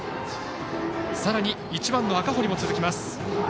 さらに１番の赤堀も続きます。